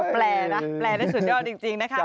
แปลนะแปลได้สุดยอดจริงนะคะ